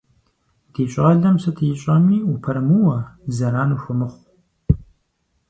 Ди щӏалэм сыт ищӏэми упэрымыуэ, зэран ухуэмыхъу.